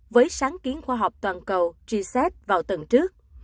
với sáng kiến khoa học toàn cầu g set vào tuần trước